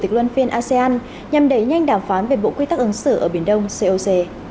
chủ tịch luân phiên asean nhằm đẩy nhanh đàm phán về bộ quy tắc ứng xử ở biển đông coc